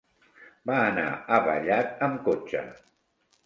Va anar a Vallat amb cotxe.